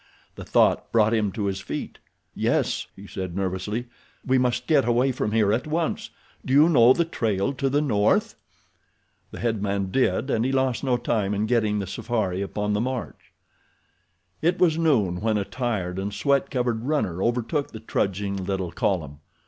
The thought brought him to his feet. "Yes," he said, nervously, "we must get away from here at once. Do you know the trail to the north?" The head man did, and he lost no time in getting the safari upon the march. It was noon when a tired and sweat covered runner overtook the trudging little column.